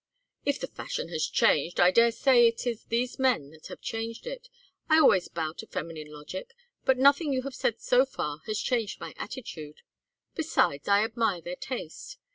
"If the fashion has changed I dare say it is these men that have changed it. I always bow to feminine logic, but nothing you have said so far has changed my attitude. Besides, I admire their taste.